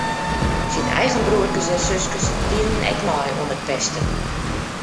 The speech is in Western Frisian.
Syn eigen broerkes en suskes dienen ek mei oan it pesten.